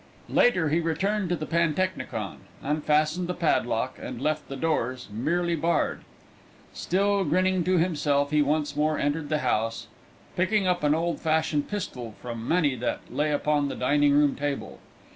Later he returned to the pantechnicon, unfastened the padlock, and left the doors merely barred. Still grinning to himself he once more entered the house, picking up an old fashioned pistol from many that lay upon the dining room table.